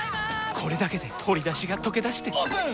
これだけで鶏だしがとけだしてオープン！